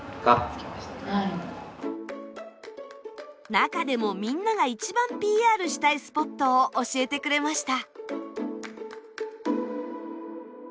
中でもみんなが一番ＰＲしたいスポットを教えてくれました。